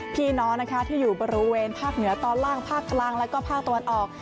พี่น้องนะคะที่อยู่บริเวณภาคเหนือตอนล่างภาคกลางแล้วก็ภาคตะวันออก